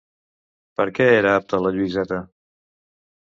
Per què era apte la Lluïseta?